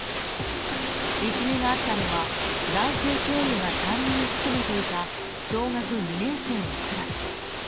いじめがあったのは男性教諭が担任を務めていた小学２年生のクラス。